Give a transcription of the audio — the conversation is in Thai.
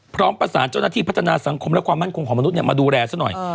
พร้อมประสานเจ้าหน้าที่พัฒนาสังคมและความมั่นคงของมนุษย์มาดูแลซะหน่อย